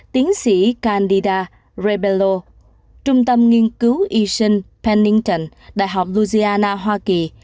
tiến sĩ candida ribello trung tâm nghiên cứu eason pennington đại học louisiana hoa kỳ